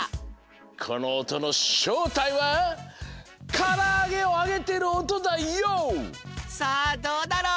このおとのしょうたいはさあどうだろう？